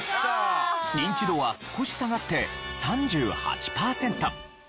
ニンチドは少し下がって３８パーセント。